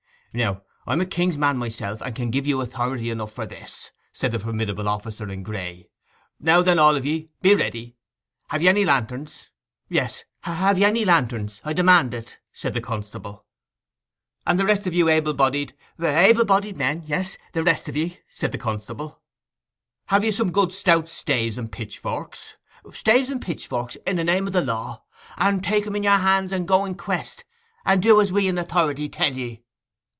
'Now, I'm a king's man myself; and can give you authority enough for this,' said the formidable officer in gray. 'Now then, all of ye, be ready. Have ye any lanterns?' 'Yes—have ye any lanterns?—I demand it!' said the constable. 'And the rest of you able bodied—' 'Able bodied men—yes—the rest of ye!' said the constable. 'Have you some good stout staves and pitch forks—' 'Staves and pitchforks—in the name o' the law! And take 'em in yer hands and go in quest, and do as we in authority tell ye!